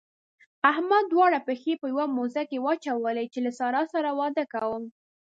احمد دواړه پښې په يوه موزه کې واچولې چې له سارا سره واده کوم.